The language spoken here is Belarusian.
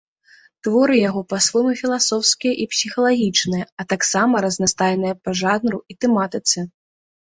Творы яго па-свойму філасофскія і псіхалагічныя, а таксама разнастайныя па жанру і тэматыцы.